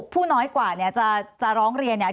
ผู้น้อยกว่าเนี่ยจะร้องเรียนเนี่ย